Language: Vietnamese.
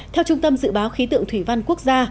theo trung tâm dự báo khí tượng thủy văn quốc gia